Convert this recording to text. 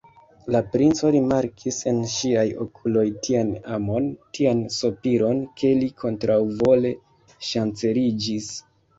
La princo rimarkis en ŝiaj okuloj tian amon, tian sopiron, ke li kontraŭvole ŝanceliĝis.